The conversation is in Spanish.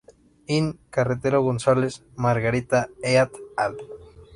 In: Carretero González, Margarita et al.